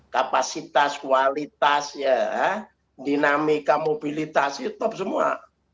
kapasitas kualitas ya dinamika mobilitas itu top semua